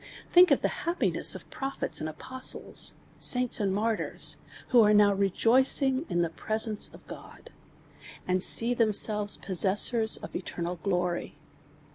Think of t!ie happiness of prophets and apostles, saints and martyrs, wlio are now rejoicing in the pre .sence of God, and see themselves possessors of eter nal glory.